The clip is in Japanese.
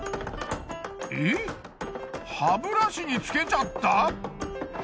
えっ歯ブラシにつけちゃった。